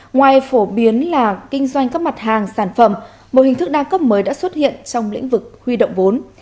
ngoài phổ biến là kinh doanh các mặt hàng sản phẩm một hình thức đa cấp mới đã xuất hiện trong lĩnh vực huy động vốn